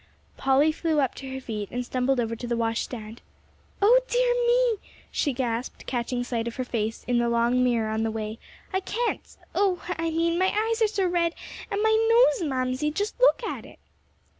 Polly flew up to her feet and stumbled over to the washstand. "O dear me!" she gasped, catching sight of her face in the long mirror on the way, "I can't oh, I mean my eyes are so red, and my nose, Mamsie! Just look at it!"